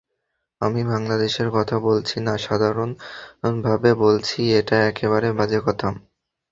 আমি বাংলাদেশের কথা বলছি না, সাধারণভাবে বলছি, এটা একেবারে বাজে কথা।